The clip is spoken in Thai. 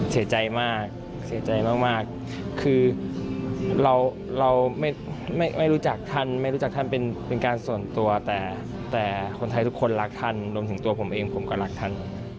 เสียใจมากเสียใจมากคือเราไม่รู้จักท่านไม่รู้จักท่านเป็นการส่วนตัวแต่คนไทยทุกคนรักท่านรวมถึงตัวผมเองผมก็รักท่าน